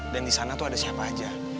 dan disana tuh ada siapa aja